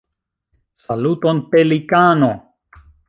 Saluton Pelikano!